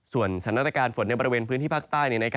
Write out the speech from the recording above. ส่วนสถานการณ์ฝนในบริเวณพื้นที่ภาคใต้